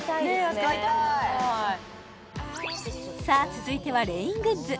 続いてはレイングッズ